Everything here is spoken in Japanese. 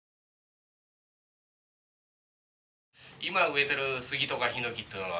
今植えてる杉とかヒノキっていうのは。